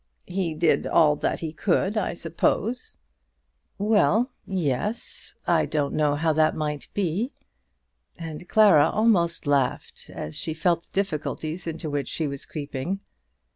"He did all that he could, I suppose?" "Well; yes. I don't know how that might be." And Clara almost laughed as she felt the difficulties into which she was creeping.